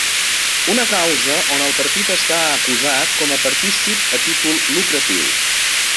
Una causa on el partit està acusat com a partícip a títol lucratiu.